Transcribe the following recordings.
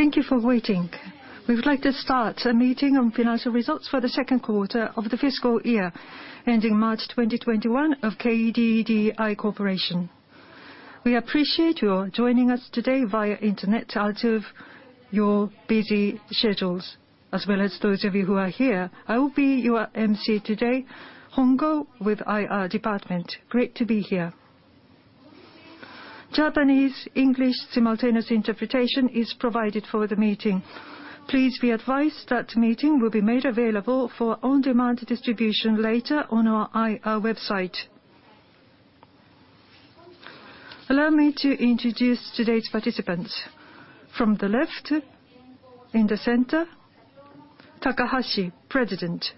Thank you for waiting. We would like to start a meeting on financial results for the second quarter of the fiscal year, ending March 2021, of KDDI Corporation. We appreciate your joining us today via internet out of your busy schedules, as well as those of you who are here. I will be your emcee today, Hongou with IR Department. Great to be here. Japanese, English simultaneous interpretation is provided for the meeting. Please be advised that the meeting will be made available for on-demand distribution later on our IR website. Allow me to introduce today's participants. From the left, in the center, Takahashi, President.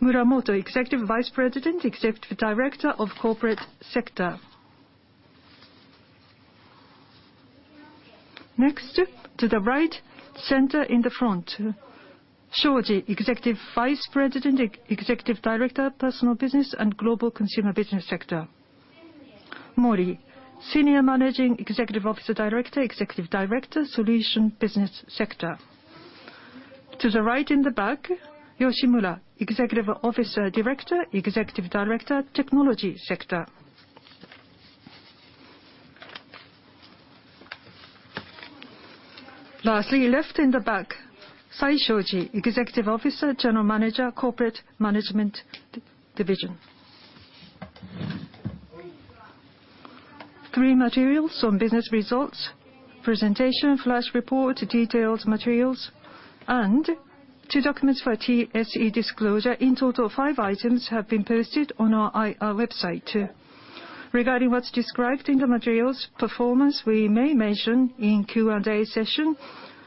Muramoto, Executive Vice President, Executive Director of Corporate Sector. Next, to the right, center in the front, Shoji, Executive Vice President, Executive Director, Personal Business and Global Consumer Business Sector. Mori, Senior Managing Executive Officer, Director, Executive Director, Solution Business Sector. To the right in the back, Yoshimura, Executive Officer, Director, Executive Director, Technology Sector. Lastly, left in the back, Saishoji, Executive Officer, General Manager, Corporate Management Division. Three materials on business results, presentation, flash report, detailed materials, and two documents for TSE disclosure. In total, five items have been posted on our IR website. Regarding what's described in the materials, performance we may mention in Q&A session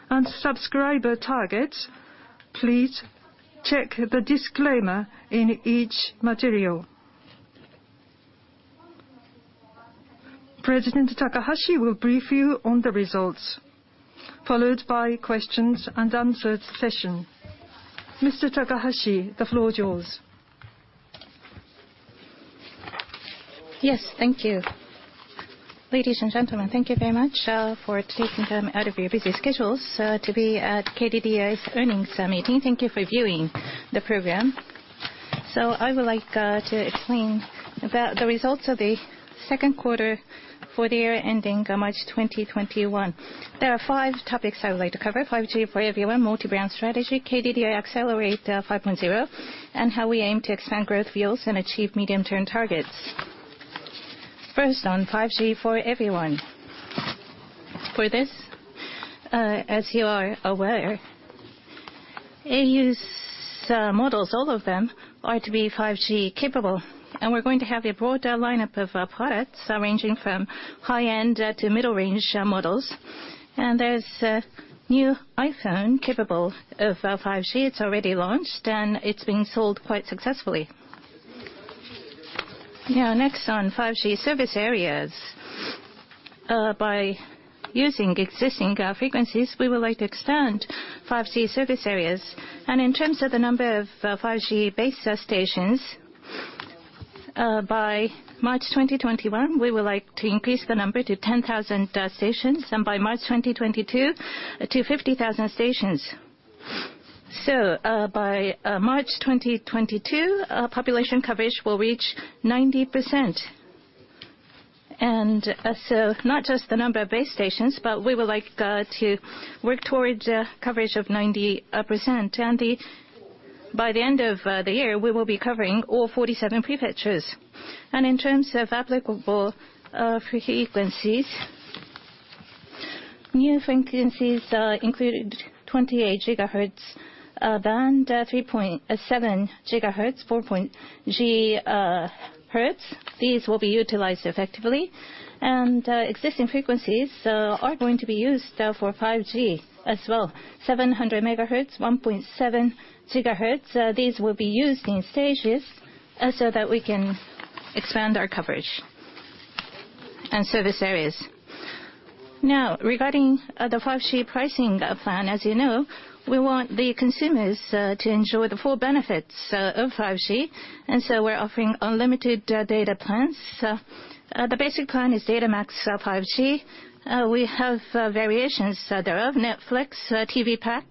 and subscriber targets, please check the disclaimer in each material. President Takahashi will brief you on the results, followed by questions and answer session. Mr. Takahashi, the floor is yours. Yes, thank you. Ladies and gentlemen, thank you very much for taking time out of your busy schedules to be at KDDI's earnings meeting. Thank you for viewing the program. I would like to explain about the results of the second quarter for the year ending March 2021. There are five topics I would like to cover, 5G for Everyone, multi-brand strategy, KDDI Accelerate 5.0, and how we aim to expand growth fields and achieve medium-term targets. First, on 5G for Everyone. For this, as you are aware, au's models, all of them, are to be 5G capable. We're going to have a broader lineup of products, ranging from high-end to middle-range models. There's a new iPhone capable of 5G. It's already launched and it's being sold quite successfully. Next on 5G service areas. By using existing frequencies, we would like to extend 5G service areas. In terms of the number of 5G base stations, by March 2021, we would like to increase the number to 10,000 stations, by March 2022, to 50,000 stations. By March 2022, population coverage will reach 90%. Not just the number of base stations, but we would like to work towards coverage of 90%. By the end of the year, we will be covering all 47 prefectures. In terms of applicable frequencies, new frequencies include 28 GHz band, 3.7 GHz, 4.0 GHz. These will be utilized effectively. Existing frequencies are going to be used for 5G as well. 700 MHz, 1.7 GHz, these will be used in stages so that we can expand our coverage and service areas. Regarding the 5G pricing plan, as you know, we want the consumers to enjoy the full benefits of 5G, we're offering unlimited data plans. The basic plan is Data MAX 5G. We have variations thereof, Netflix, TV pack,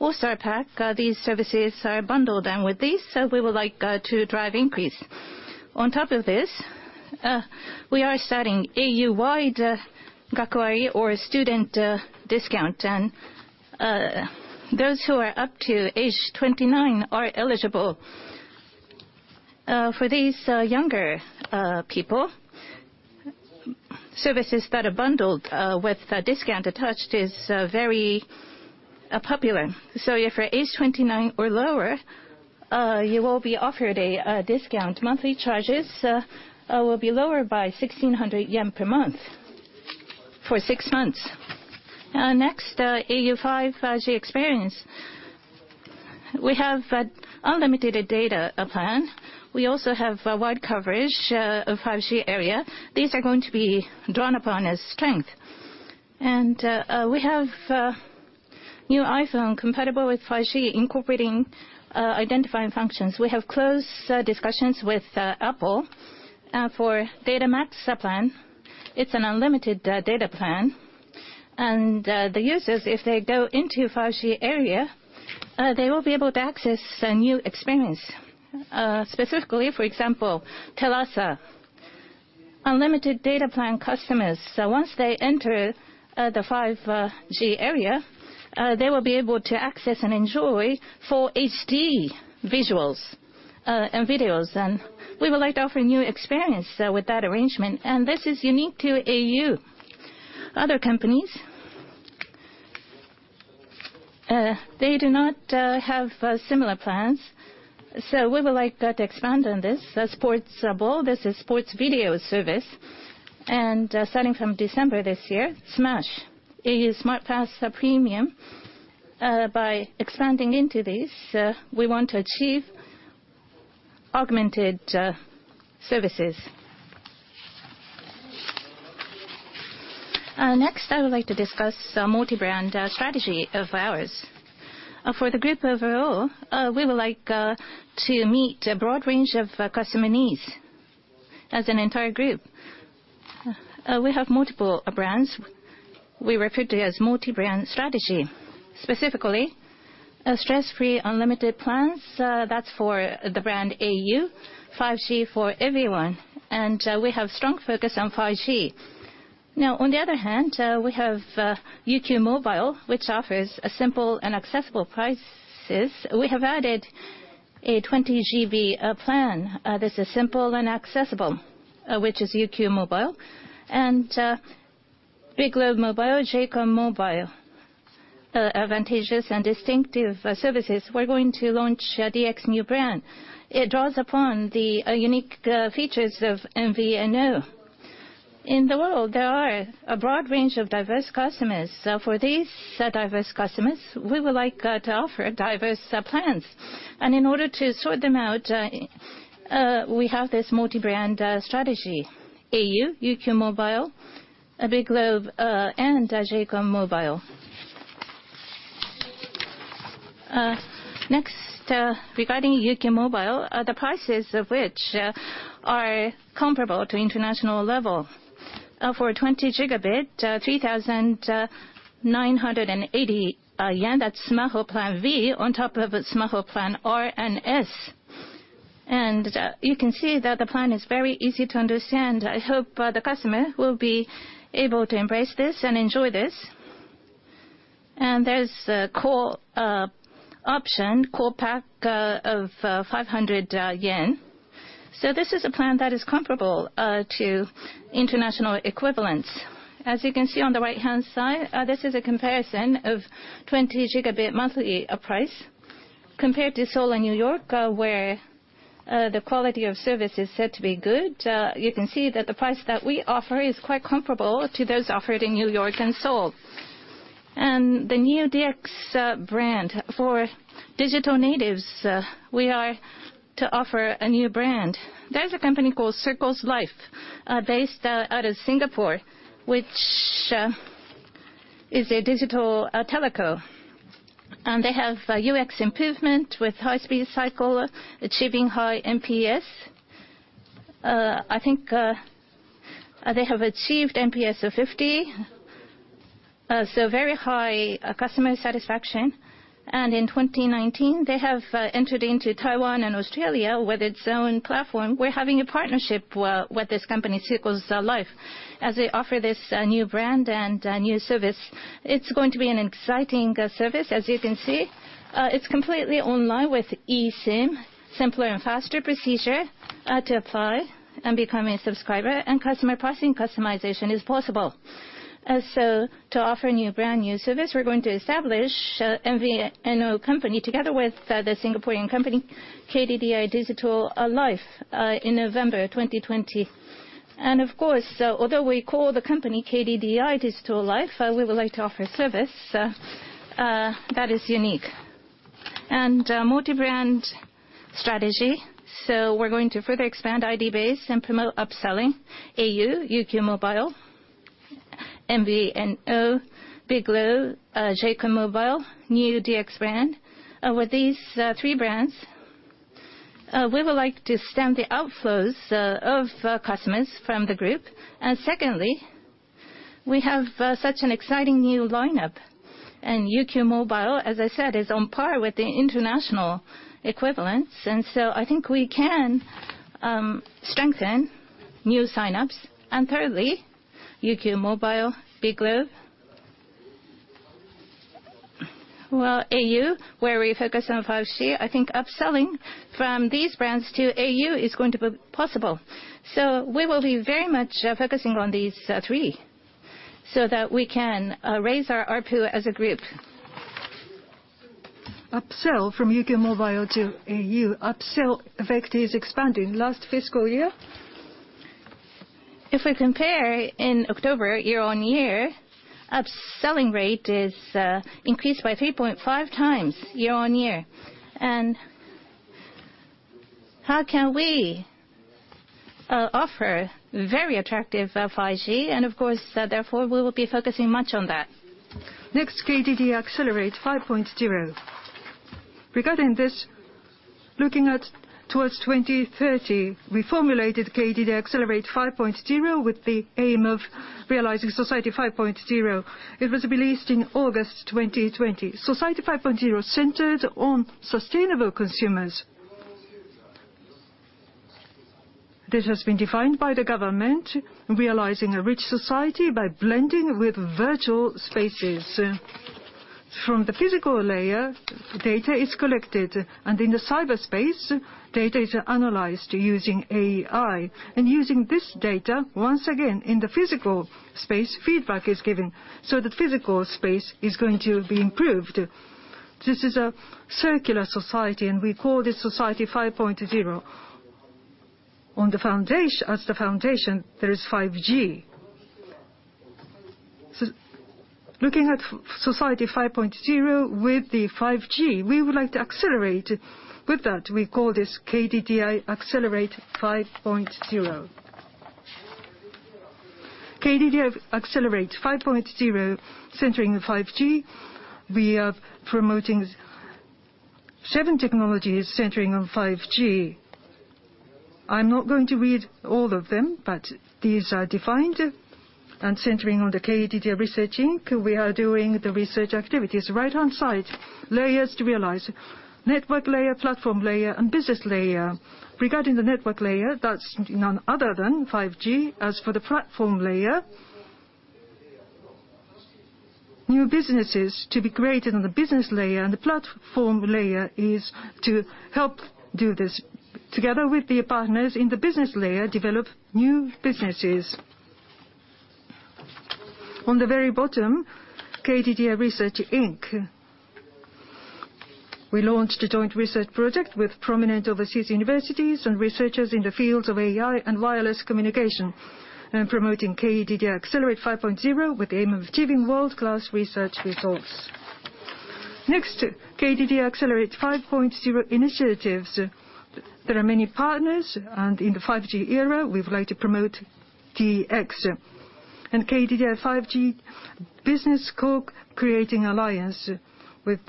All Star pack. These services are bundled in with these, we would like to drive increase. On top of this, we are starting au Wide Gakuwari, or student discount, those who are up to age 29 are eligible. For these younger people, services that are bundled with a discount attached is very popular. If you're age 29 or lower, you will be offered a discount. Monthly charges will be lower by 1,600 yen per month for six months. Next au 5G experience. We have an unlimited data plan. We also have wide coverage of 5G area. These are going to be drawn upon as strength. We have new iPhone compatible with 5G, incorporating identifying functions. We have close discussions with Apple for Data MAX plan. It's an unlimited data plan. The users, if they go into 5G area, they will be able to access a new experience. Specifically, for example, TELASA unlimited data plan customers. Once they enter the 5G area, they will be able to access and enjoy full HD visuals and videos. We would like to offer a new experience with that arrangement. This is unique to au. Other companies, they do not have similar plans, so we would like to expand on this. SPORTS BULL, this is sports video service. Starting from December this year, smash and au Smart Pass Premium. By expanding into these, we want to achieve augmented services. Next, I would like to discuss multi-brand strategy of ours. For the group overall, we would like to meet a broad range of customer needs as an entire group. We have multiple brands. We refer to it as multi-brand strategy. Specifically, stress-free unlimited plans, that's for the brand au, 5G for Everyone. We have strong focus on 5G. On the other hand, we have UQ Mobile, which offers simple and accessible prices. We have added a 20 GB plan that is simple and accessible, which is UQ Mobile. BIGLOBE Mobile, J:COM MOBILE, advantageous and distinctive services. We're going to launch a DX new brand. It draws upon the unique features of MVNO. In the world, there are a broad range of diverse customers. For these diverse customers, we would like to offer diverse plans. In order to sort them out, we have this multi-brand strategy, au, UQ Mobile, BIGLOBE, and J:COM MOBILE. Regarding UQ mobile, the prices of which are comparable to international level. For 20 GB, 3,980 yen. That's Smart Plan V on top of a Smart Plan R and S. You can see that the plan is very easy to understand. I hope the customer will be able to embrace this and enjoy this. There's a core option, core pack of 500 yen. This is a plan that is comparable to international equivalents. As you can see on the right-hand side, this is a comparison of 20 GB monthly price compared to Seoul and New York, where the quality of service is said to be good. You can see that the price that we offer is quite comparable to those offered in New York and Seoul. The new DX brand for digital natives, we are to offer a new brand. There's a company called Circles.Life based out of Singapore, which is a digital telco. They have UX improvement with high-speed cycle, achieving high NPS. I think they have achieved NPS of 50, so very high customer satisfaction. In 2019, they have entered into Taiwan and Australia with its own platform. We're having a partnership with this company, Circles.Life, as they offer this new brand and new service. It's going to be an exciting service. As you can see, it's completely online with eSIM, simpler and faster procedure to apply and become a subscriber, and customer pricing customization is possible. To offer a new brand, new service, we're going to establish MVNO company together with the Singaporean company, KDDI Digital Life, in November 2020. Of course, although we call the company KDDI Digital Life, we would like to offer a service that is unique. Multi-brand strategy. We're going to further expand ID base and promote upselling au, UQ mobile, MVNO, BIGLOBE, J:COM MOBILE, new DX brand. With these three brands, we would like to stem the outflows of customers from the group. Secondly, we have such an exciting new lineup. UQ mobile, as I said, is on par with the international equivalents. I think we can strengthen new sign-ups. Thirdly, UQ mobile, BIGLOBE, au, where we focus on 5G, I think upselling from these brands to au is going to be possible. We will be very much focusing on these three so that we can raise our ARPU as a group. Upsell from UQ mobile to au, upsell effect is expanding last fiscal year. If we compare in October year-on-year, upselling rate is increased by 3.5x year-on-year. How can we offer very attractive 5G? Of course, therefore, we will be focusing much on that. Next, KDDI Accelerate 5.0. Regarding this, looking towards 2030, we formulated KDDI Accelerate 5.0 with the aim of realizing Society 5.0. It was released in August 2020. Society 5.0 centers on sustainable consumers. This has been defined by the government, realizing a rich society by blending with virtual spaces. From the physical layer, data is collected, and in the cyberspace, data is analyzed using AI. Using this data, once again, in the physical space, feedback is given, so the physical space is going to be improved. This is a circular society, and we call this Society 5.0. As the foundation, there is 5G. Looking at Society 5.0 with the 5G, we would like to accelerate. With that, we call this KDDI Accelerate 5.0. KDDI Accelerate 5.0 centering 5G. We are promoting seven technologies centering on 5G. I'm not going to read all of them. These are defined and centering on the KDDI Research Inc., we are doing the research activities. Right-hand side, layers to realize. Network layer, platform layer, and business layer. Regarding the network layer, that's none other than 5G. As for the platform layer, new businesses to be created on the business layer. The platform layer is to help do this. Together with the partners in the business layer, develop new businesses. On the very bottom, KDDI Research Inc. We launched a joint research project with prominent overseas universities and researchers in the fields of AI and wireless communication. Promoting KDDI Accelerate 5.0 with the aim of achieving world-class research results. Next, KDDI Accelerate 5.0 initiatives. There are many partners. In the 5G era, we would like to promote DX and KDDI 5G Business Co-creation Alliance. With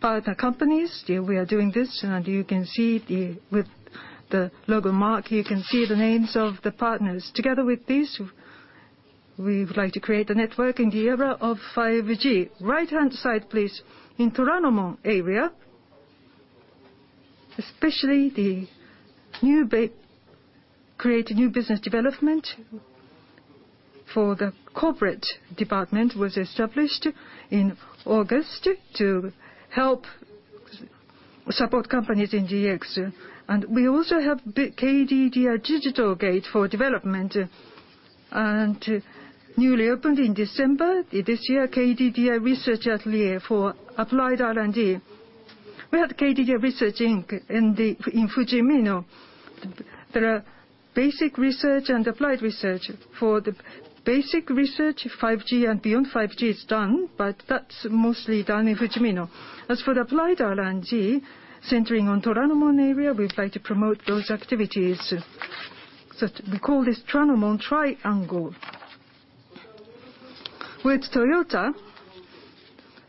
partner companies, we are doing this. With the logo mark, you can see the names of the partners. Together with this, we would like to create a network in the era of 5G. Right-hand side, please. In Toranomon area, especially to create new business development team for the corporate department was established in August to help support companies in DX. We also have KDDI Digital Gate for development and newly opened in December this year, KDDI Research Atelier for applied R&D. We have KDDI Research, Inc. in Fujimino. There are basic research and applied research. For the basic research, 5G and beyond 5G is done. That's mostly done in Fujimino. As for the applied R&D, centering on Toranomon area, we would like to promote those activities. We call this Toranomon Triangle. With Toyota,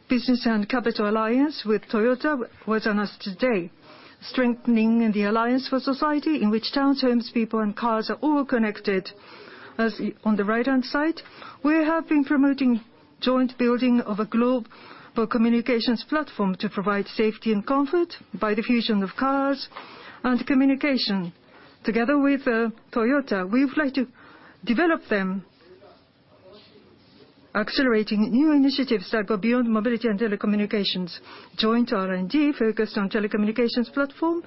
business and capital alliance with Toyota was announced today, strengthening the alliance for society in which towns, homes, people, and cars are all connected. As on the right-hand side, we have been promoting joint building of a global communications platform to provide safety and comfort by the fusion of cars and communication. Together with Toyota, we would like to develop them, accelerating new initiatives that go beyond mobility and telecommunications, joint R&D focused on telecommunications platform,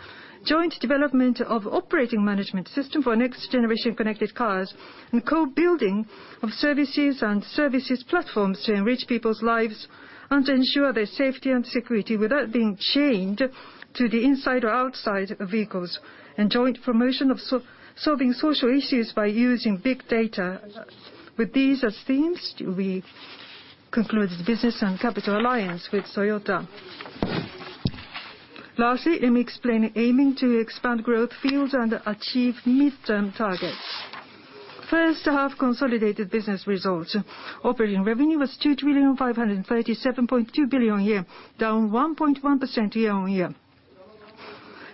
joint development of operating management system for next-generation connected cars, and co-building of services and services platforms to enrich people's lives and to ensure their safety and security without being chained to the inside or outside of vehicles, and joint promotion of solving social issues by using big data. With these as themes, we concluded the business and capital alliance with Toyota. Lastly, let me explain aiming to expand growth fields and achieve midterm targets. First half consolidated business results. Operating revenue was 2,537.2 billion, down 1.1% year-on-year.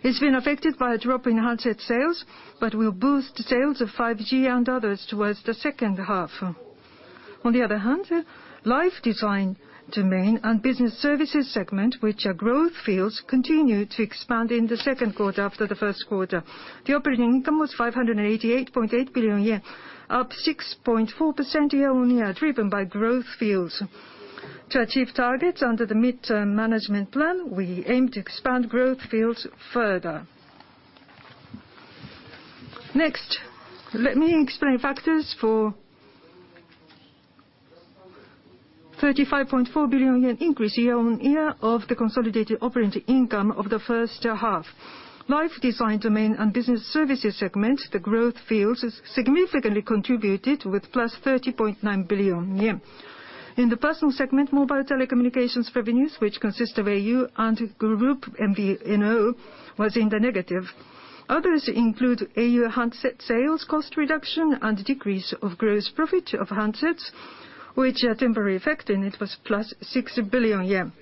It's been affected by a drop in handset sales, but we'll boost sales of 5G and others towards the second half. On the other hand, life design domain and business services segment, which are growth fields, continued to expand in the second quarter after the first quarter. The operating income was 588.8 billion yen, up 6.4% year-on-year, driven by growth fields. To achieve targets under the midterm management plan, we aim to expand growth fields further. Let me explain factors for 35.4 billion yen increase year-on-year of the consolidated operating income of the first half. Life Design domain and Business Services segment, the growth fields, significantly contributed with plus 30.9 billion yen. In the personal segment, mobile telecommunications revenues, which consist of au and group MVNO, was in the negative. Others include au handset sales, cost reduction, and decrease of gross profit of handsets, which are temporary effect, and it was +6 billion yen.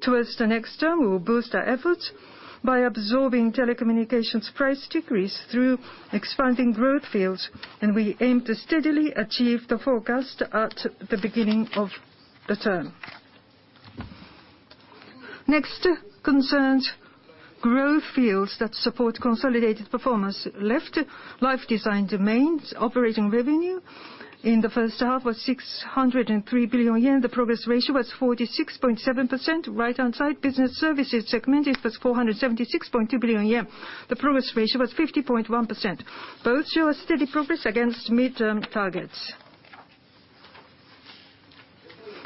Towards the next term, we will boost our efforts by absorbing telecommunications price decrease through expanding growth fields, and we aim to steadily achieve the forecast at the beginning of the term. Next concerns growth fields that support consolidated performance. Left, Life Design domains. Operating revenue in the first half was 603 billion yen. The progress ratio was 46.7%. Right-hand side, Business Services segment. It was 476.2 billion yen. The progress ratio was 50.1%. Both show a steady progress against mid-term targets.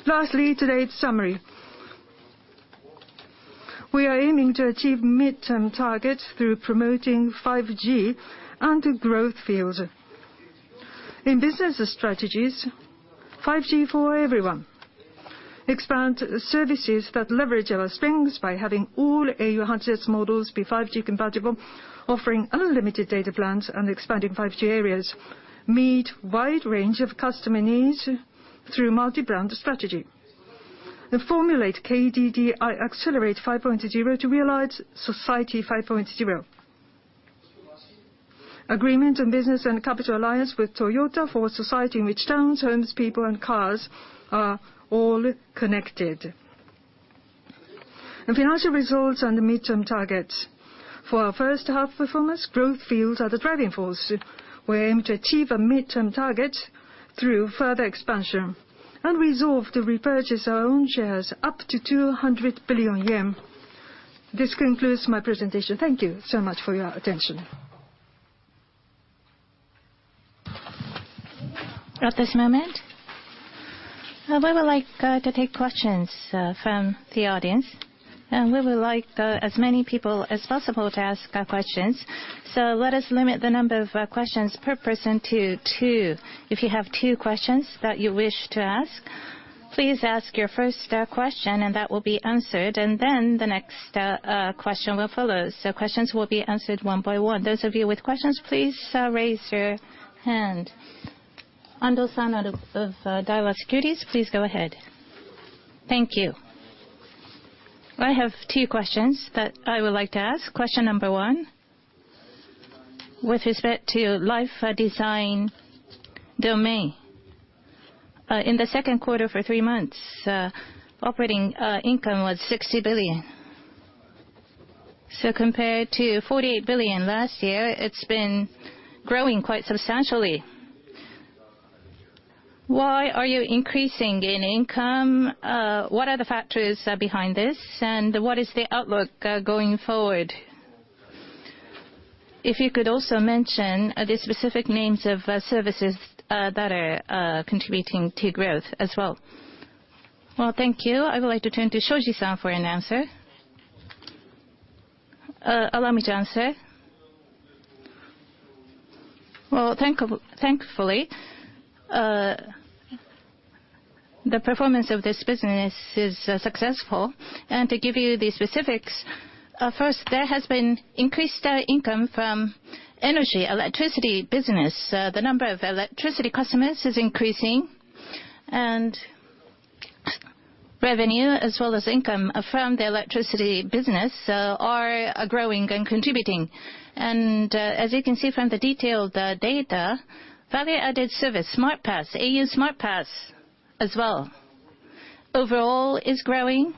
Lastly, today's summary. We are aiming to achieve mid-term targets through promoting 5G and growth fields. In business strategies, 5G for Everyone. Expand services that leverage our strengths by having all au handset models be 5G compatible, offering unlimited data plans, and expanding 5G areas. Meet wide range of customer needs through multi-brand strategy. Formulate KDDI Accelerate 5.0 to realize Society 5.0. Agreement on business and capital alliance with Toyota for society in which towns, homes, people, and cars are all connected. Financial results and mid-term targets. For our first half performance, growth fields are the driving force. We aim to achieve a mid-term target through further expansion. Resolve to repurchase our own shares up to 200 billion yen. This concludes my presentation. Thank you so much for your attention. At this moment, we would like to take questions from the audience. We would like as many people as possible to ask questions, so let us limit the number of questions per person to two. If you have two questions that you wish to ask, please ask your first question, and that will be answered, and then the next question will follow. Questions will be answered one by one. Those of you with questions, please raise your hand. Ando-san of Daiwa Securities, please go ahead. Thank you. I have two questions that I would like to ask. Question number one, with respect to Life Design domain. In the second quarter for three months, operating income was 60 billion. Compared to 48 billion last year, it's been growing quite substantially. Why are you increasing in income? What are the factors behind this, and what is the outlook going forward? If you could also mention the specific names of services that are contributing to growth as well. Well, thank you. I would like to turn to Shoji-san for an answer. Allow me to answer. Well, thankfully, the performance of this business is successful. To give you the specifics, first, there has been increased income from energy, electricity business. The number of electricity customers is increasing, revenue as well as income from the electricity business are growing and contributing. As you can see from the detailed data, value-added service, Smart Pass, au Smart Pass as well, overall is growing.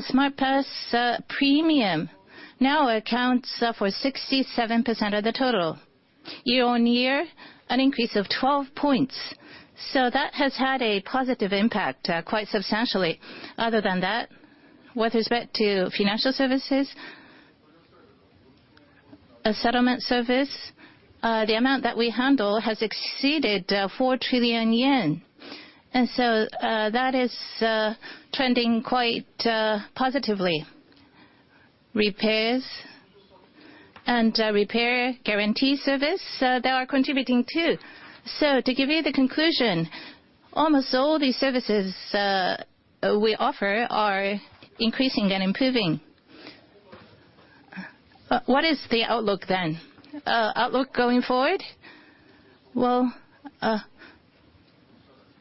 Smart Pass Premium now accounts for 67% of the total. Year-on-year, an increase of 12 basis points. That has had a positive impact, quite substantially. Other than that, with respect to financial services, settlement service, the amount that we handle has exceeded 4 trillion yen. That is trending quite positively. Repairs and repair guarantee service, they are contributing, too. To give you the conclusion, almost all the services we offer are increasing and improving. What is the outlook, then? Outlook going forward? Well,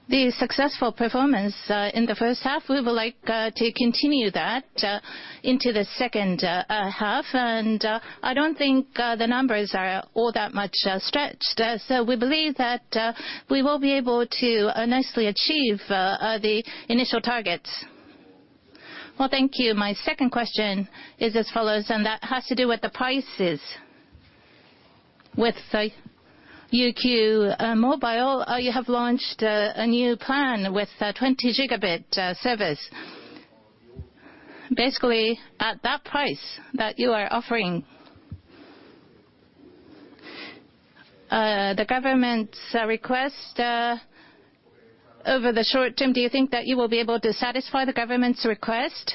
the successful performance in the first half, we would like to continue that into the second half. I don't think the numbers are all that much stretched. We believe that we will be able to nicely achieve the initial targets. Well, thank you. My second question is as follows. That has to do with the prices. With UQ mobile, you have launched a new plan with a 20 GB service. Basically, at that price that you are offering, the government's request, over the short term, do you think that you will be able to satisfy the government's request?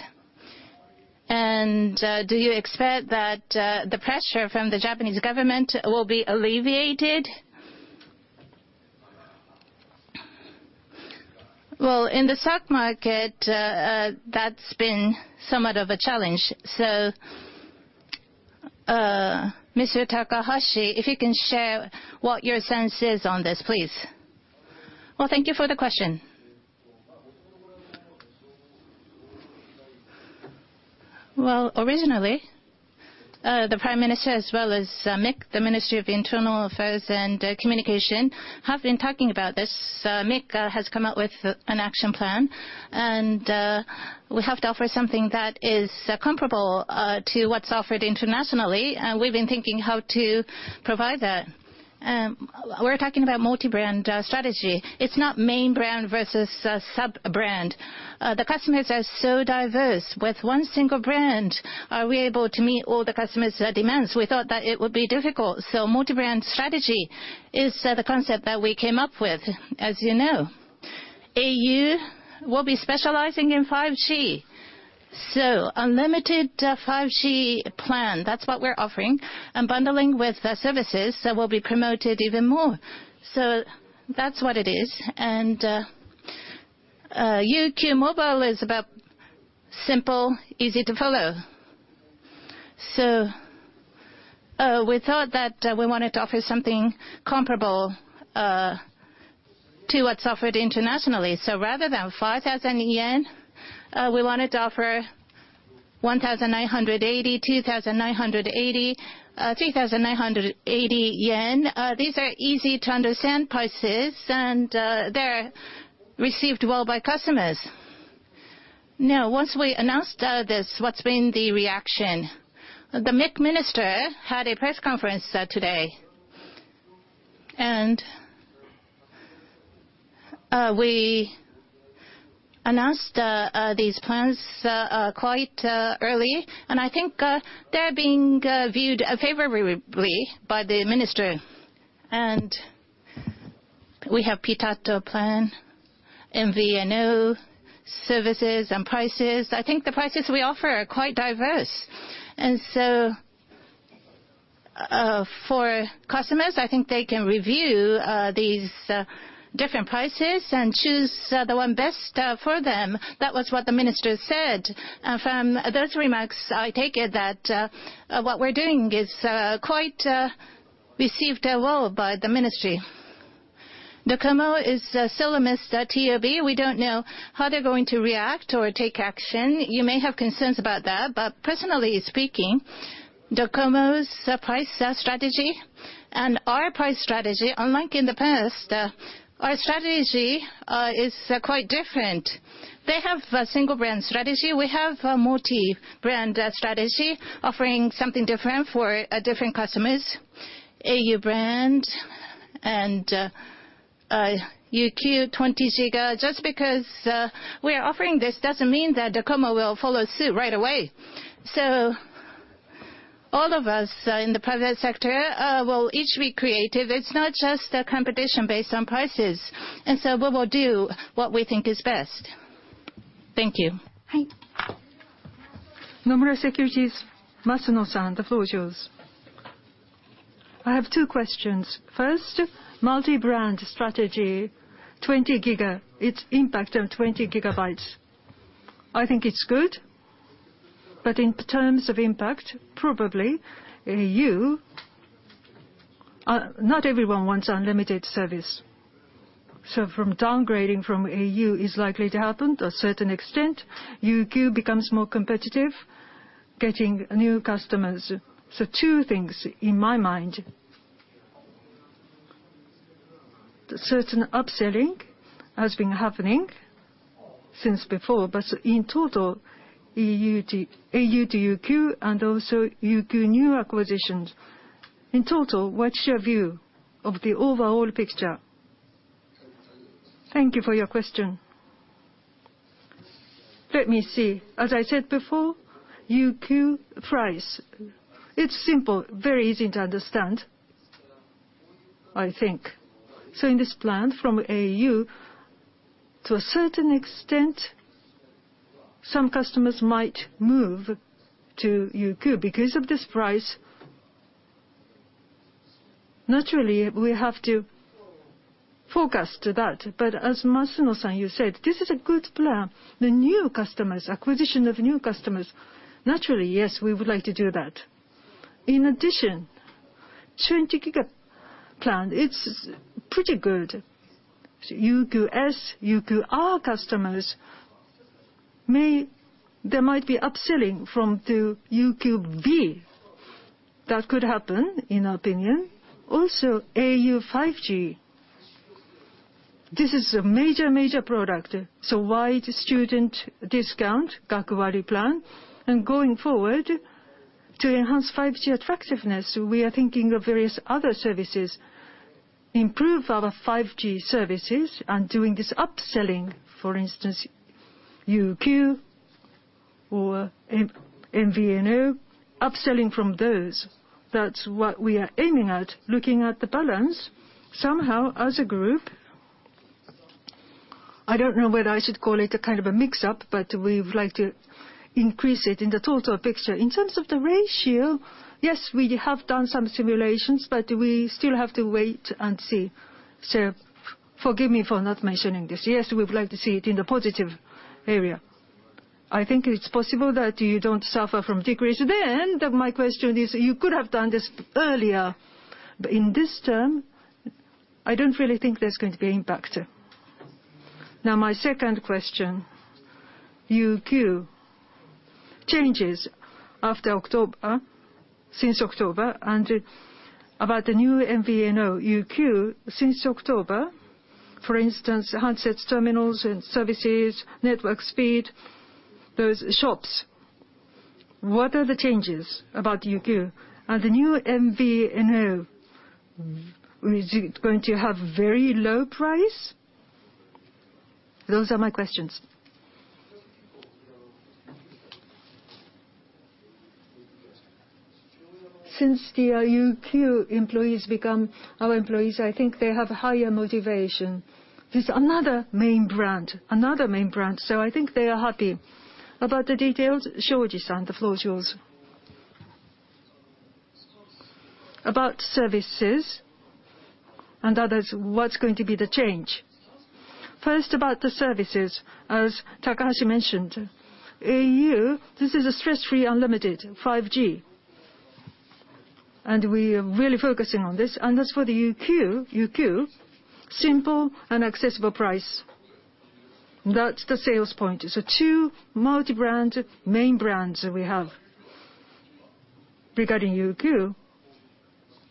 Do you expect that the pressure from the Japanese government will be alleviated? Well, in the stock market, that's been somewhat of a challenge. Mr. Takahashi, if you can share what your sense is on this, please. Well, thank you for the question. Originally, the Prime Minister as well as MIC, the Ministry of Internal Affairs and Communications, have been talking about this. MIC has come out with an action plan. We have to offer something that is comparable to what's offered internationally. We've been thinking how to provide that. We're talking about multi-brand strategy. It's not main brand versus sub-brand. The customers are so diverse. With one single brand, are we able to meet all the customers' demands? We thought that it would be difficult. Multi-brand strategy is the concept that we came up with. As you know, au will be specializing in 5G. Unlimited 5G plan, that's what we're offering. Bundling with the services that will be promoted even more. That's what it is. UQ Mobile is about simple, easy to follow. We thought that we wanted to offer something comparable to what's offered internationally. Rather than 5,000 yen, we wanted to offer 1,980; 2,980; 3,980 yen, these are easy-to-understand prices, and they're received well by customers. Once we announced this, what's been the reaction? The MIC Minister had a press conference today. We announced these plans quite early. I think they're being viewed favorably by the Minister. We have Pitatto Plan, MVNO services and prices. I think the prices we offer are quite diverse. For customers, I think they can review these different prices and choose the one best for them. That was what the Minister said. From those remarks, I take it that what we're doing is quite received well by the ministry. DOCOMO is still amidst of TOB. We don't know how they're going to react or take action. You may have concerns about that. Personally speaking, DOCOMO's price strategy and our price strategy, unlike in the past, our strategy is quite different. They have a single-brand strategy. We have a multi-brand strategy, offering something different for different customers, au brand and UQ 20 GB. Just because we are offering this doesn't mean that DOCOMO will follow suit right away. All of us in the private sector will each be creative. It's not just a competition based on prices. We will do what we think is best. Thank you. Nomura Securities, Masuno-san, the floor is yours. I have two questions. First, multi-brand strategy, 20 GB, its impact on 20 GB. I think it's good, but in terms of impact, probably. Not everyone wants unlimited service. From downgrading from au is likely to happen to a certain extent. UQ becomes more competitive, getting new customers. Two things in my mind. Certain upselling has been happening since before, but in total, au to UQ and also UQ new acquisitions. In total, what's your view of the overall picture? Thank you for your question. Let me see. As I said before, UQ price, it's simple, very easy to understand, I think. In this plan from au, to a certain extent, some customers might move to UQ. Because of this price, naturally, we have to forecast that. As Masuno-san, you said, this is a good plan. The new customers, acquisition of new customers, naturally, yes, we would like to do that. In addition, 20 GB plan, it's pretty good. UQ-S, UQ-R customers, there might be upselling from to UQ-V. That could happen, in our opinion. au 5G, this is a major product. wide student discount, Gakuwari plan. Going forward, to enhance 5G attractiveness, we are thinking of various other services, improve our 5G services and doing this upselling. For instance, UQ or MVNO, upselling from those. That's what we are aiming at. Looking at the balance, somehow as a group. I don't know whether I should call it a kind of a mix-up, but we would like to increase it in the total picture. In terms of the ratio, yes, we have done some simulations, but we still have to wait and see. Forgive me for not mentioning this. Yes, we would like to see it in the positive area. I think it's possible that you don't suffer from decrease. My question is, you could have done this earlier, but in this term, I don't really think there's going to be impact. My second question, UQ changes since October, and about the new MVNO, UQ, since October. For instance, handsets, terminals and services, network speed, those shops. What are the changes about UQ? Are the new MVNO, is it going to have very low price? Those are my questions. Since the UQ employees become our employees, I think they have higher motivation. There's another main brand, so I think they are happy. About the details, Shoji, the floor is yours. About services and others, what's going to be the change? First, about the services, as Takahashi mentioned, au, this is a stress-free unlimited 5G, and we are really focusing on this. As for the UQ, simple and accessible price. That's the sales point. Two multi-brand main brands that we have. Regarding UQ,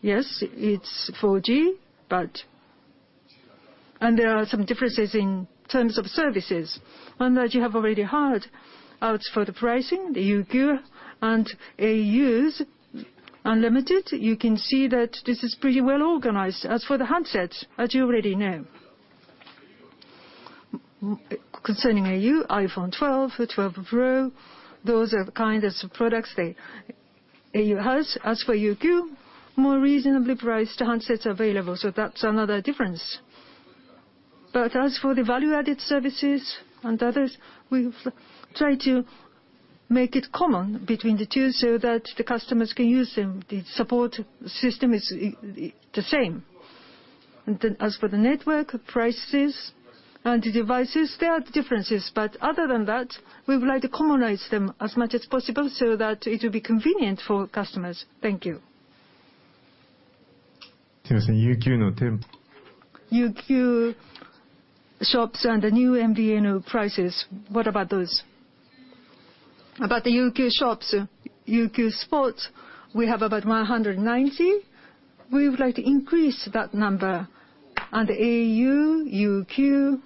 yes, it's 4G, and there are some differences in terms of services. As you have already heard, as for the pricing, the UQ and au's unlimited, you can see that this is pretty well organized. As for the handsets, as you already know. Concerning au, iPhone 12 Pro, those are the kind of products that au has. As for UQ, more reasonably priced handsets available. That's another difference. As for the value-added services and others, we've tried to make it common between the two so that the customers can use them. The support system is the same. As for the network prices and the devices, there are differences, but other than that, we would like to commonize them as much as possible so that it will be convenient for customers. Thank you. UQ shops and the new MVNO prices, what about those? About the UQ shops, UQ Spots, we have about 190. We would like to increase that number. Au, UQ,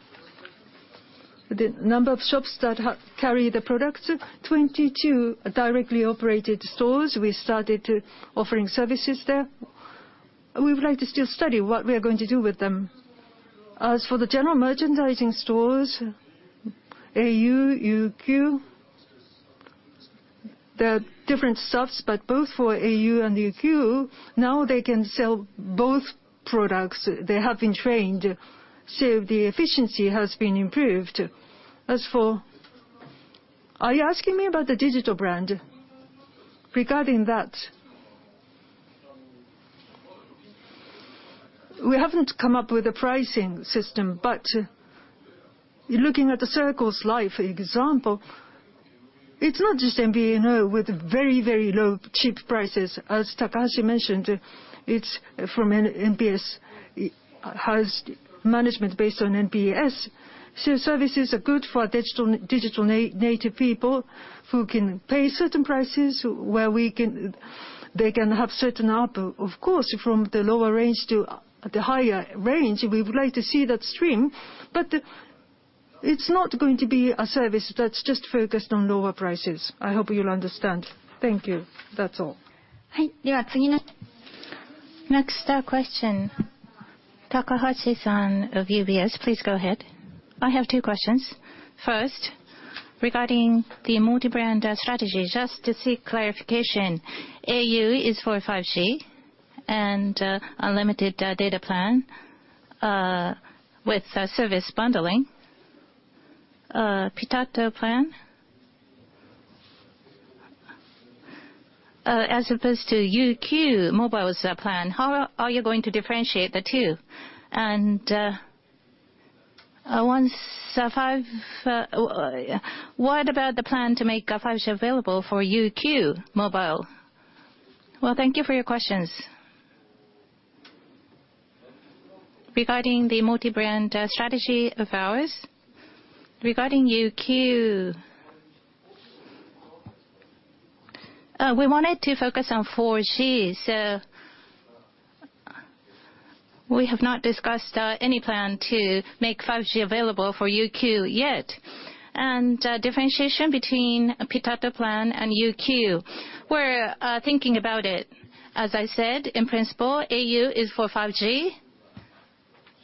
the number of shops that carry the products, 22 directly operated stores. We started offering services there. We would like to still study what we are going to do with them. As for the general merchandising stores, au, UQ, they're different stuffs, but both for au and UQ, now they can sell both products. They have been trained, so the efficiency has been improved. Are you asking me about the digital brand? Regarding that, we haven't come up with a pricing system, but looking at the Circles.Life example, it's not just MVNO with very, very low, cheap prices. As Takahashi mentioned, it has management based on NPS. Services are good for digital native people who can pay certain prices, where they can have certain up, of course, from the lower range to the higher range. We would like to see that stream, but it's not going to be a service that's just focused on lower prices. I hope you'll understand. Thank you. That's all. Next question, Takahashi-san of UBS, please go ahead. I have two questions. First, regarding the multi-brand strategy, just to seek clarification, au is for 5G and unlimited data plan with service bundling, Pitatto Plan, as opposed to UQ mobile's plan, how are you going to differentiate the two? What about the plan to make 5G available for UQ mobile? Thank you for your questions. Regarding the multi-brand strategy of ours, regarding UQ, we wanted to focus on 4G, so we have not discussed any plan to make 5G available for UQ yet. Differentiation between Pitatto Plan and UQ, we're thinking about it. As I said, in principle, au is for 5G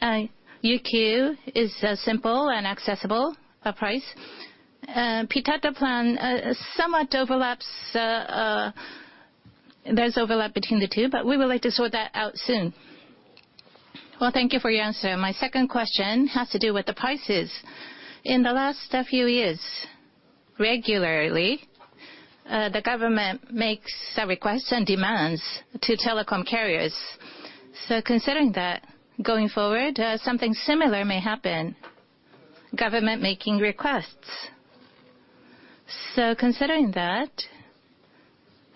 and UQ is simple and accessible price. Pitatto Plan somewhat overlaps There's overlap between the two, but we would like to sort that out soon. Thank you for your answer. My second question has to do with the prices. In the last few years, regularly, the government makes requests and demands to telecom carriers. Considering that, going forward, something similar may happen, government making requests. Considering that,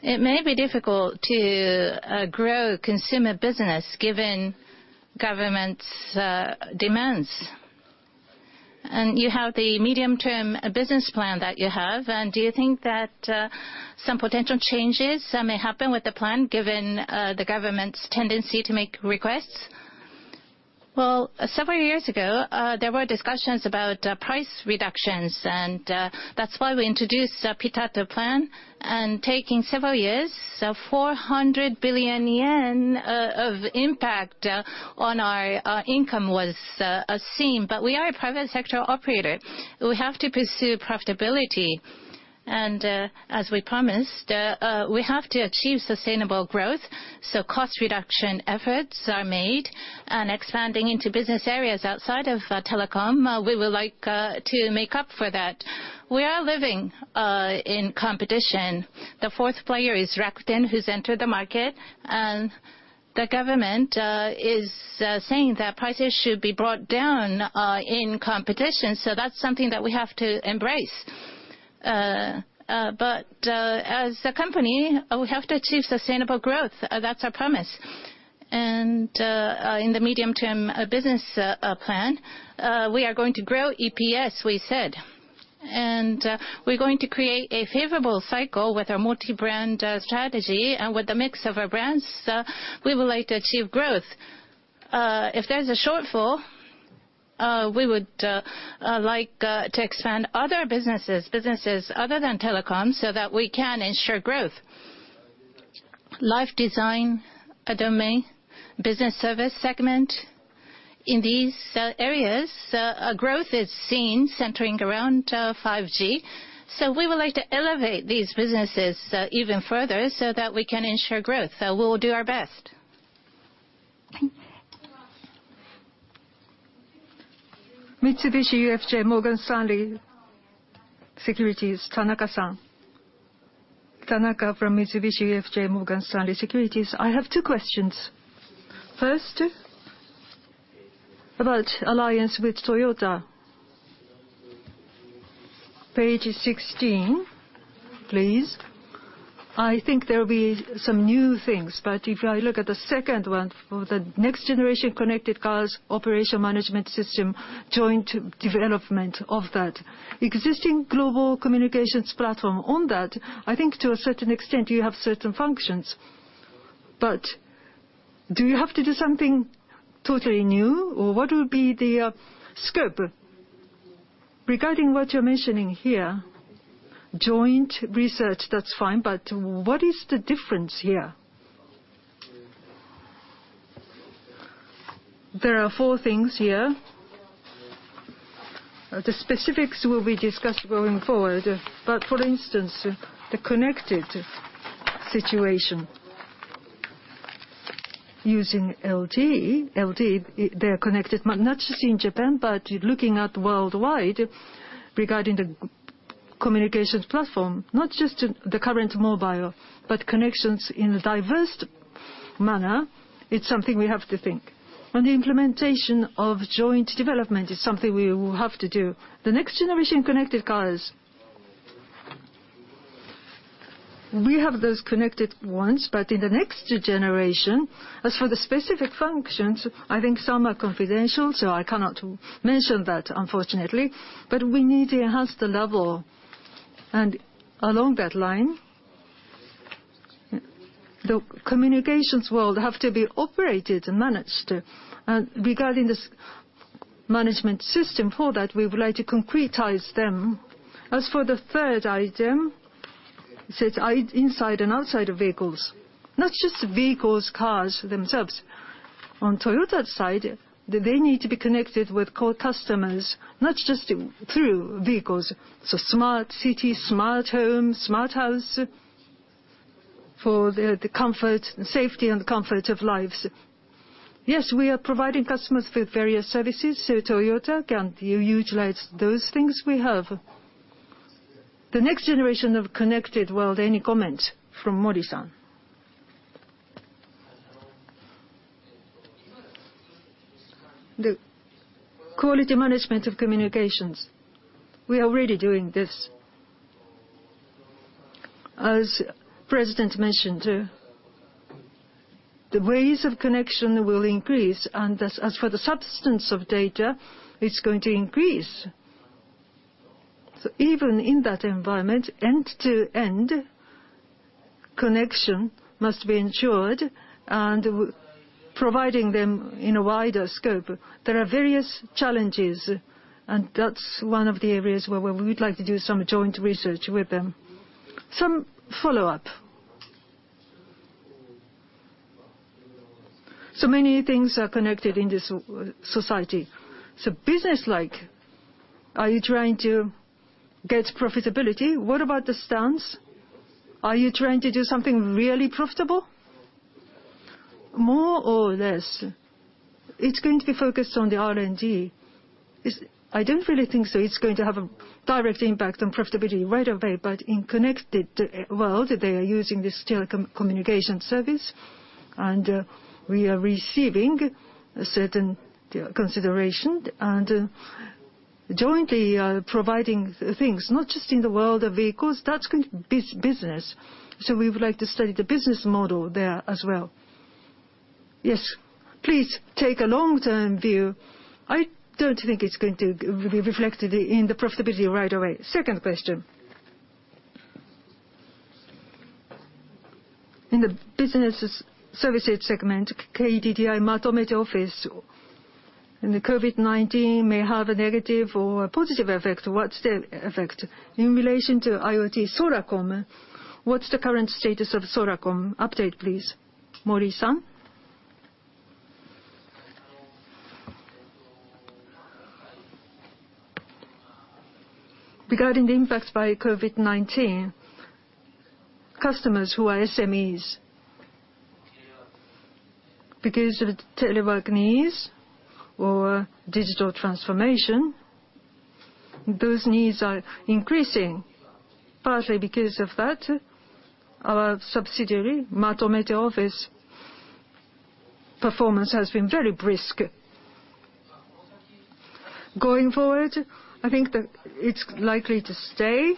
it may be difficult to grow consumer business given government's demands. You have the medium-term business plan that you have, do you think that some potential changes may happen with the plan given the government's tendency to make requests? Several years ago, there were discussions about price reductions, and that's why we introduced the Pitatto Plan. Taking several years, 400 billion yen of impact on our income was seen. We are a private sector operator. We have to pursue profitability. As we promised, we have to achieve sustainable growth, so cost reduction efforts are made and expanding into business areas outside of telecom, we would like to make up for that. We are living in competition. The fourth player is Rakuten, who's entered the market, and the government is saying that prices should be brought down in competition. That's something that we have to embrace. As a company, we have to achieve sustainable growth. That's our promise. In the medium-term business plan, we are going to grow EPS, we said. We're going to create a favorable cycle with our multi-brand strategy and with the mix of our brands, we would like to achieve growth. If there's a shortfall, we would like to expand other businesses other than telecom, so that we can ensure growth. Life Design Domain, Business Service Segment, in these areas, a growth is seen centering around 5G. We would like to elevate these businesses even further so that we can ensure growth. We will do our best. Mitsubishi UFJ Morgan Stanley Securities, Tanaka-san. Tanaka from Mitsubishi UFJ Morgan Stanley Securities. I have two questions. First, about alliance with Toyota. Page 16, please. I think there'll be some new things, but if I look at the second one for the next-generation connected cars operation management system, joint development of that. Existing global communications platform on that, I think to a certain extent you have certain functions. Do you have to do something totally new? What will be the scope? Regarding what you're mentioning here, joint research, that's fine, but what is the difference here? There are four things here. The specifics will be discussed going forward. For instance, the connected situation. Using LTE, they are connected not just in Japan, but looking at worldwide regarding the communications platform, not just the current mobile, but connections in a diverse manner, it's something we have to think. The implementation of joint development is something we will have to do. The next generation connected cars. We have those connected ones, but in the next generation, as for the specific functions, I think some are confidential, so I cannot mention that, unfortunately. We need to enhance the level. Along that line, the communications world have to be operated and managed. Regarding this management system for that, we would like to concretize them. As for the third item, it says inside and outside vehicles. Not just vehicles, cars themselves. On Toyota's side, they need to be connected with core customers, not just through vehicles. Smart city, smart home, smart house for the safety and comfort of lives. Yes, we are providing customers with various services, so Toyota can utilize those things we have. The next generation of connected world, any comment from Mori-san? The quality management of communications, we are already doing this. As President mentioned, the ways of connection will increase, and as for the substance of data, it's going to increase. Even in that environment, end-to-end connection must be ensured and providing them in a wider scope. There are various challenges, and that's one of the areas where we would like to do some joint research with them. Some follow-up. Many things are connected in this society. Business-like, are you trying to get profitability? What about the stance? Are you trying to do something really profitable? More or less, it's going to be focused on the R&D. I don't really think, so it's going to have a direct impact on profitability right away, but in connected world, they are using this telecommunication service, and we are receiving a certain consideration, and jointly providing things, not just in the world of vehicles, that's going to be business. We would like to study the business model there as well. Yes. Please take a long-term view. I don't think it's going to be reflected in the profitability right away. Second question. In the business services segment, KDDI Matomete Office, and the COVID-19 may have a negative or a positive effect. What's the effect? In relation to IoT Soracom, what's the current status of Soracom? Update please, Mori-san. Regarding the impacts by COVID-19, customers who are SMEs, because of telework needs or digital transformation, those needs are increasing. Partly because of that, our subsidiary, Matomete Office, performance has been very brisk. Going forward, I think that it's likely to stay.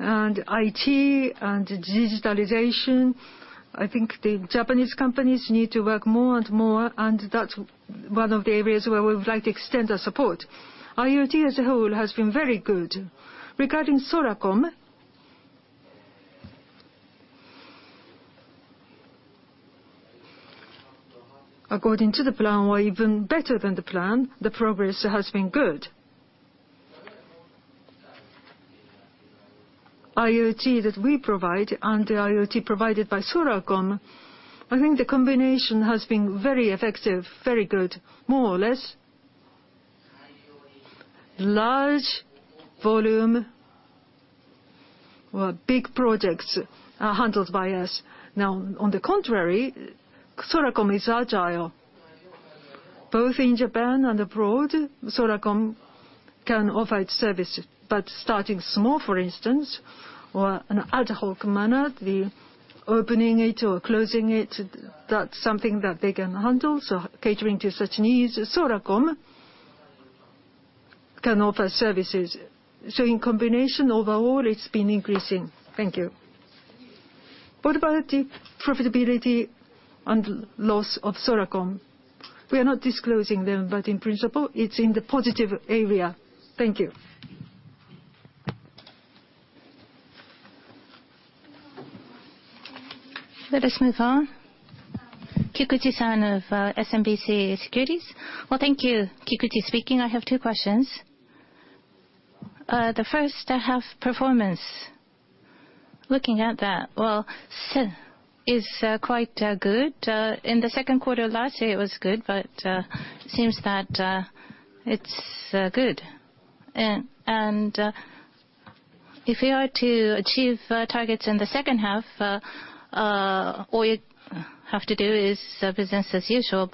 IT and digitalization, I think the Japanese companies need to work more and more, and that's one of the areas where we would like to extend our support. IoT as a whole has been very good. Regarding Soracom, according to the plan or even better than the plan, the progress has been good. IoT that we provide and the IoT provided by Soracom, I think the combination has been very effective, very good. More or less, large volume or big projects are handled by us. On the contrary, Soracom is agile. Both in Japan and abroad, Soracom can offer its service, but starting small, for instance, or an ad hoc manner, the opening it or closing it, that's something that they can handle. Catering to such needs, Soracom can offer services. In combination, overall, it's been increasing. Thank you. What about the profitability and loss of Soracom? We are not disclosing them, but in principle, it's in the positive area. Thank you. Let us move on. Kikuchi-san of SMBC Nikko Securities. Well, thank you. Kikuchi speaking. I have two questions. The first half performance, looking at that, well, is quite good. In the second quarter of last year, it was good, but it seems that it's good. If we are to achieve targets in the second half, all you have to do is business as usual.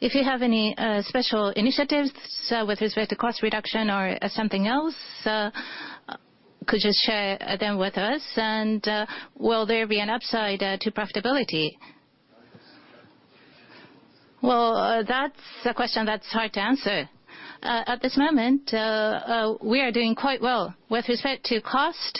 If you have any special initiatives with respect to cost reduction or something else, could you share them with us? Will there be an upside to profitability? Well, that's a question that's hard to answer. At this moment, we are doing quite well. With respect to cost,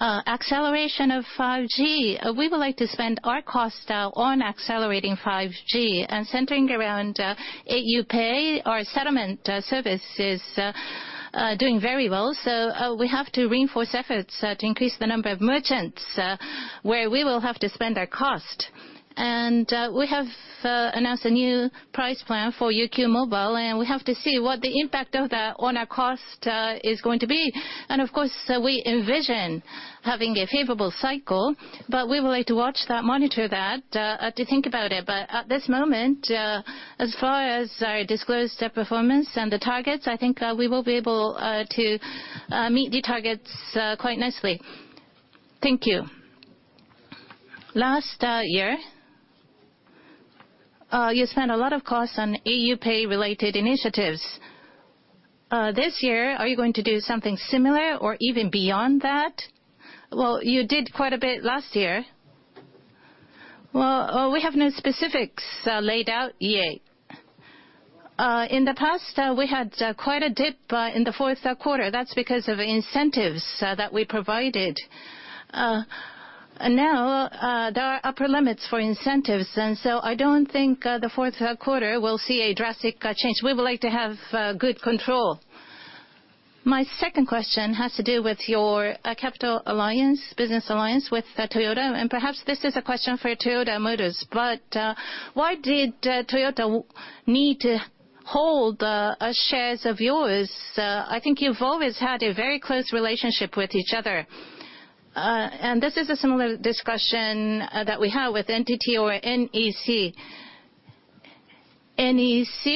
acceleration of 5G, we would like to spend our cost on accelerating 5G. Centering around au PAY, our settlement service is doing very well. We have to reinforce efforts to increase the number of merchants, where we will have to spend our cost. We have announced a new price plan for UQ mobile, and we have to see what the impact of that on our cost is going to be. Of course, we envision having a favorable cycle, but we would like to watch that, monitor that, to think about it. At this moment, as far as our disclosed performance and the targets, I think we will be able to meet the targets quite nicely. Thank you. Last year, you spent a lot of costs on au PAY-related initiatives. This year, are you going to do something similar or even beyond that? Well, you did quite a bit last year. Well, we have no specifics laid out yet. In the past, we had quite a dip in the fourth quarter. That's because of incentives that we provided. Now, there are upper limits for incentives, and so I don't think the fourth quarter will see a drastic change. We would like to have good control. My second question has to do with your capital alliance, business alliance with Toyota, and perhaps this is a question for Toyota Motors, but why did Toyota need to hold shares of yours? I think you've always had a very close relationship with each other. This is a similar discussion that we have with NTT or NEC. NEC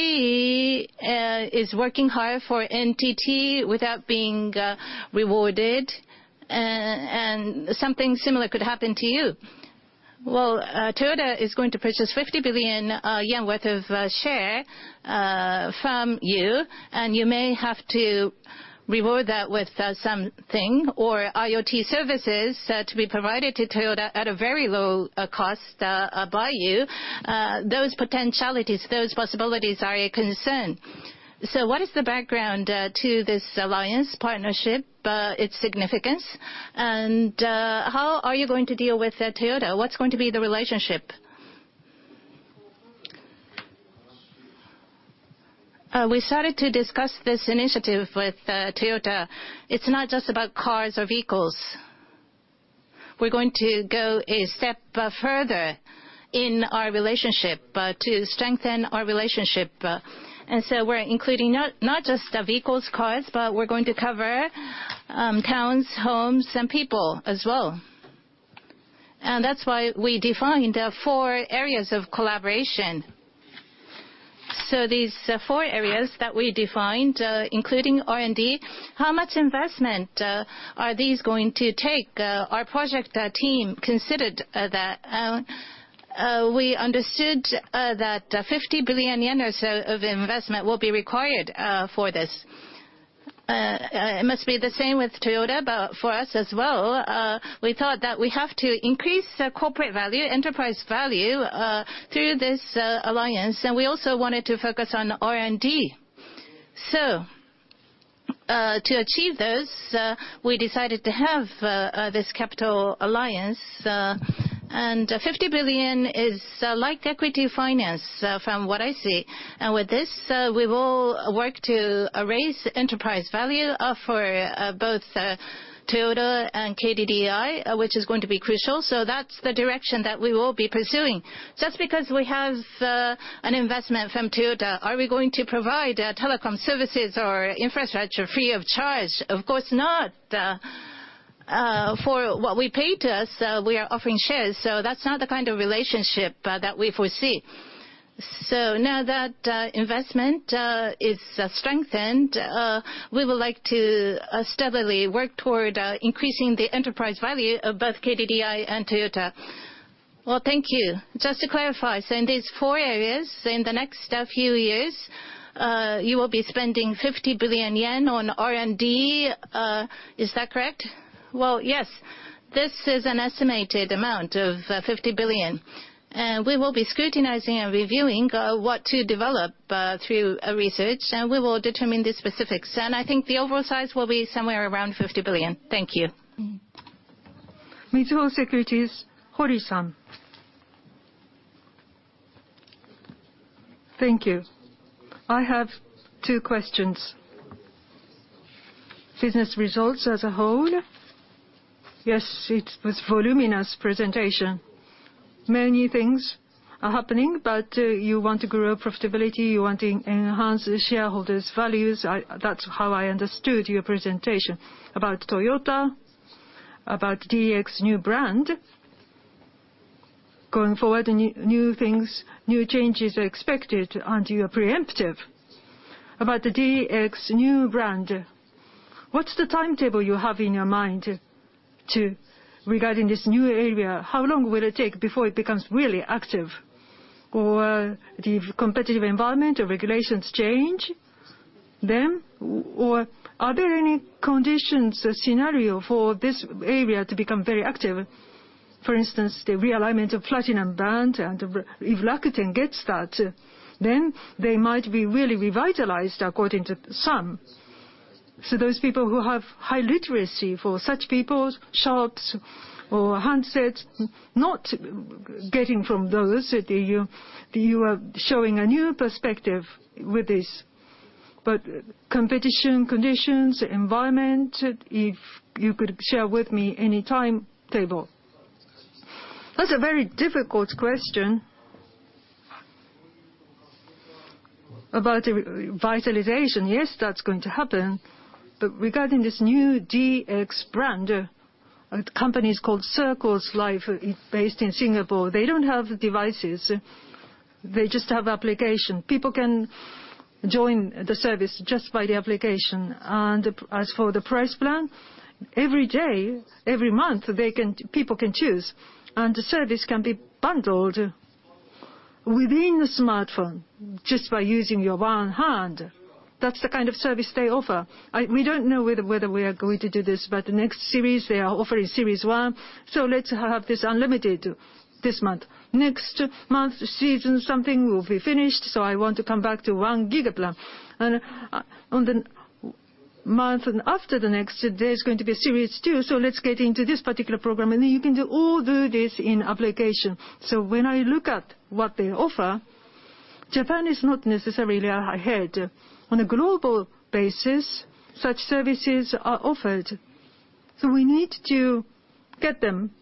is working hard for NTT without being rewarded, and something similar could happen to you. Toyota is going to purchase 50 billion yen worth of share from you, and you may have to reward that with something or IoT services to be provided to Toyota at a very low cost by you. Those potentialities, those possibilities are a concern. What is the background to this alliance partnership, its significance, and how are you going to deal with Toyota? What's going to be the relationship? We started to discuss this initiative with Toyota. It's not just about cars or vehicles. We're going to go a step further in our relationship to strengthen our relationship. We're including not just vehicles, cars, but we're going to cover towns, homes, and people as well. That's why we defined four areas of collaboration. These four areas that we defined, including R&D, how much investment are these going to take? Our project team considered that. We understood that 50 billion yen of investment will be required for this. It must be the same with Toyota, but for us as well, we thought that we have to increase the corporate value, enterprise value, through this alliance, and we also wanted to focus on R&D. To achieve this, we decided to have this capital alliance. 50 billion is like equity finance from what I see. With this, we will work to raise enterprise value for both Toyota and KDDI, which is going to be crucial. That's the direction that we will be pursuing. Just because we have an investment from Toyota, are we going to provide telecom services or infrastructure free of charge? Of course not. For what we paid, we are offering shares, so that's not the kind of relationship that we foresee. Now that investment is strengthened, we would like to steadily work toward increasing the enterprise value of both KDDI and Toyota. Well, thank you. Just to clarify, in these four areas, in the next few years, you will be spending 50 billion yen on R&D. Is that correct? Well, yes. This is an estimated amount of 50 billion. We will be scrutinizing and reviewing what to develop through research, and we will determine the specifics. I think the overall size will be somewhere around 50 billion. Thank you. Mizuho Securities, Hori-san. Thank you. I have two questions. Business results as a whole. Yes, it was voluminous presentation. Many things are happening, but you want to grow profitability, you want to enhance the shareholders' values. That's how I understood your presentation. About Toyota, about DX new brand. Going forward, new things, new changes are expected. Aren't you preemptive? About the DX new brand, what's the timetable you have in your mind regarding this new area? How long will it take before it becomes really active? Or the competitive environment or regulations change then? Or are there any conditions, a scenario for this area to become very active? For instance, the realignment of platinum band, and if Rakuten gets that, then they might be really revitalized according to some. Those people who have high literacy, for such people, shops or handsets, not getting from those, you are showing a new perspective with this. Competition, conditions, environment, if you could share with me any timetable? That's a very difficult question. About revitalization, yes, that's going to happen. Regarding this new DX brand, a company called Circles.Life is based in Singapore. They don't have devices. They just have application. People can join the service just by the application. As for the price plan, every day, every month, people can choose, and the service can be bundled within the smartphone just by using your one hand. That's the kind of service they offer. We don't know whether we are going to do this, but the next series, they are offering series one, so let's have this unlimited this month. Next month, season something will be finished, so I want to come back to 1 GB plan. On the month after the next, there's going to be series two, so let's get into this particular program. You can do all this in application. When I look at what they offer, Japan is not necessarily ahead. On a global basis, such services are offered. We need to get them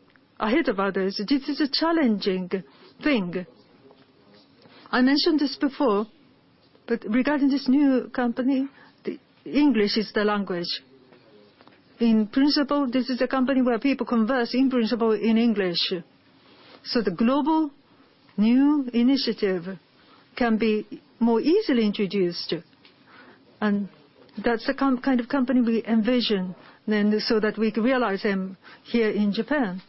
ahead of others. This is a challenging thing. I mentioned this before, regarding this new company, English is the language. In principle, this is a company where people converse, in principle, in English, the global new initiative can be more easily introduced. That's the kind of company we envision so that we can realize them here in Japan.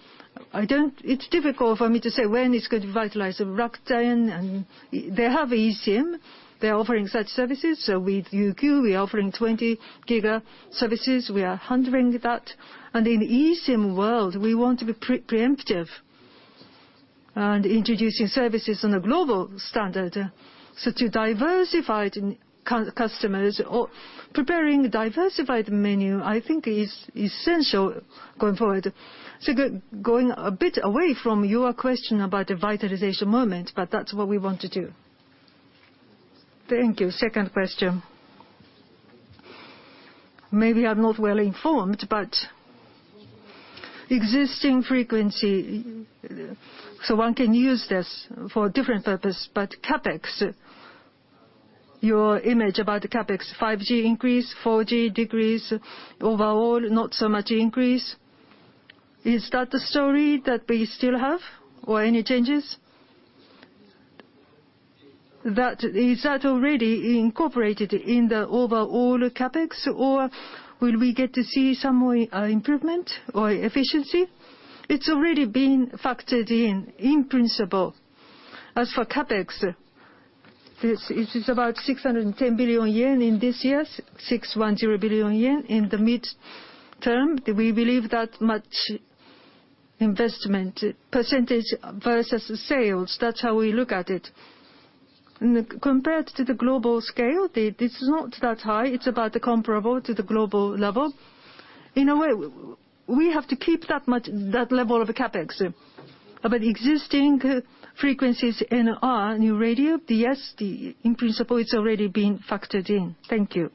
It's difficult for me to say when it's going to vitalize. Rakuten, they have eSIM. They're offering such services. With UQ, we are offering 20 GB services. We are handling that. In eSIM world, we want to be preemptive and introducing services on a global standard. To diversified customers or preparing diversified menu, I think is essential going forward. Going a bit away from your question about the vitalization moment, that's what we want to do. Thank you. Second question. Maybe I'm not well-informed, but existing frequency, so one can use this for different purpose, but CapEx, your image about the CapEx, 5G increase, 4G decrease. Overall, not so much increase. Is that the story that we still have or any changes? Is that already incorporated in the overall CapEx, or will we get to see some more improvement or efficiency? It's already been factored in principle. As for CapEx, it is about 610 billion yen in this year, 610 billion yen in the midterm. We believe that much investment percentage versus sales, that's how we look at it. Compared to the global scale, it is not that high. It's about comparable to the global level. In a way, we have to keep that level of CapEx. About existing frequencies in our New Radio, yes, in principle, it's already been factored in. Thank you.